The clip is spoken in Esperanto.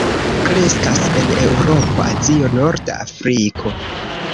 Kreskas en Eŭropo, Azio, norda Afriko.